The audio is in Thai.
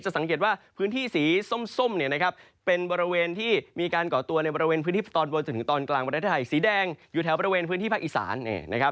สังเกตว่าพื้นที่สีส้มเนี่ยนะครับเป็นบริเวณที่มีการก่อตัวในบริเวณพื้นที่ตอนบนจนถึงตอนกลางประเทศไทยสีแดงอยู่แถวบริเวณพื้นที่ภาคอีสานนะครับ